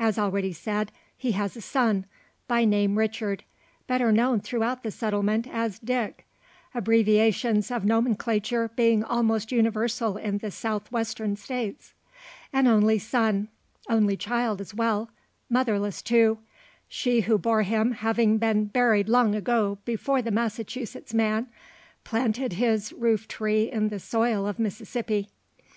As already said, he has a son, by name Richard; better known throughout the settlement as "Dick" abbreviations of nomenclature being almost universal in the South Western States. An only son only child as well motherless too she who bore him having been buried long before the Massachusetts man planted his roof tree in the soil of Mississippi.